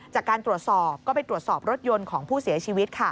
จากการตรวจสอบก็ไปตรวจสอบรถยนต์ของผู้เสียชีวิตค่ะ